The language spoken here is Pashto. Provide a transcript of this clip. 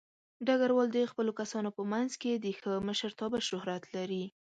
ډګروال د خپلو کسانو په منځ کې د ښه مشرتابه شهرت لري.